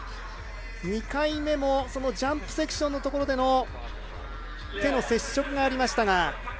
２回目もジャンプセクションでの手の接触がありました。